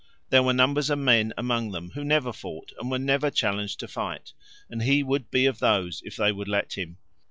There were numbers of men among them who never fought and were never challenged to fight, and he would be of those if they would let him.